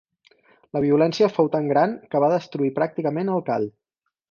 La violència fou tan gran que va destruir pràcticament el call.